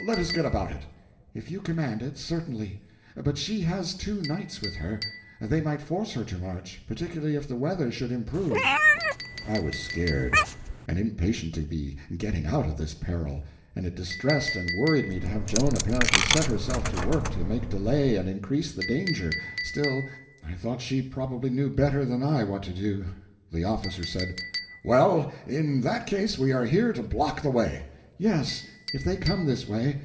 Let us get about it." "If you command it—certainly. But she has two knights with her. They might force her to march, particularly if the weather should improve." I was scared, and impatient to be getting out of this peril, and it distressed and worried me to have Joan apparently set herself to work to make delay and increase the danger—still, I thought she probably knew better than I what to do. The officer said: "Well, in that case we are here to block the way." "Yes, if they come this way.